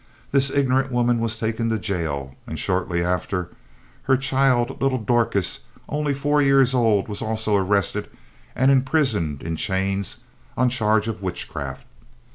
This ignorant woman was taken to jail, and, shortly after, her child, little Dorcas, only four years old, was also arrested and imprisoned in chains on charge of witchcraft.